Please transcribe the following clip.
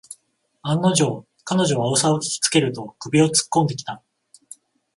案の定、彼女はうわさを聞きつけると首をつっこんできた